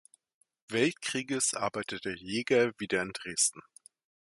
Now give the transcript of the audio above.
Weltkrieges arbeitete Jäger wieder in Dresden.